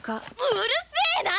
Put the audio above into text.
うるせな！